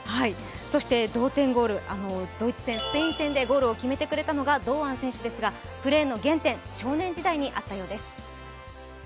そして同点ゴール、ドイツ戦、スペイン戦でゴールを決めてくれたのが堂安選手ですがプレーの原点、少年時代にあったようです。